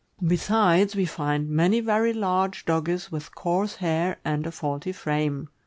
Besides, we find many very large Dogges with coarse hair and a faulty frame.